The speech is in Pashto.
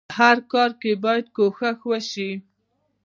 په هر کار کې بايد کوښښ وشئ.